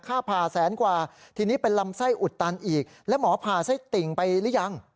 ค่าผ่าแสนกว่าทีนี้เป็นลำไส้อุดตันอีกแล้วหมอผ่าไส้ติ่งไปหรือยัง